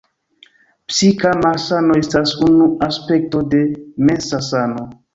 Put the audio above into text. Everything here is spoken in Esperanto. Psika malsano estas unu aspekto de mensa sano.